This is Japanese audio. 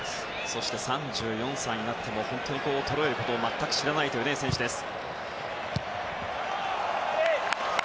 そして３４歳になっても本当に衰えるところを全く知らない選手です。